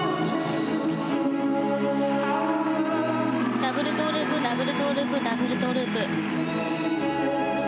ダブルトウループダブルトウループダブルトウループ。